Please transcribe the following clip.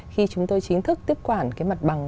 khi chúng tôi chính thức tiếp quản mặt bằng